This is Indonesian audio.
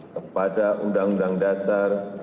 kepada undang undang dasar